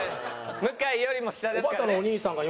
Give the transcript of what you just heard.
向井よりも下ですからね。